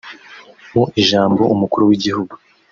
Mu ijambo umukuru w’igihugu